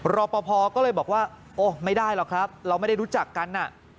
รอปภก็เลยบอกว่าโอ้ไม่ได้หรอกครับเราไม่ได้รู้จักกัน